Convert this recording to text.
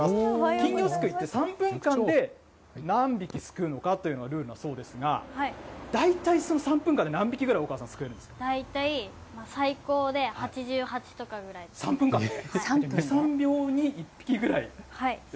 金魚すくいって、３分間で何匹すくうのかというのがルールなんだそうですが、大体その３分間で何匹ぐらい大河さん、すくえるんで大体最高で８８とかぐらいで３分間で？